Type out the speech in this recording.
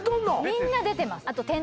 みんな出てます